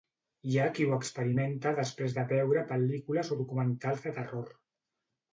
Hi ha qui ho experimenta després de veure pel·lícules o documentals de terror.